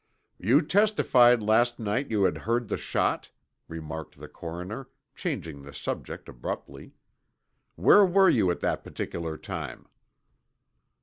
"You testified last night that you had heard the shot?" remarked the coroner, changing the subject abruptly. "Where were you at that particular time?"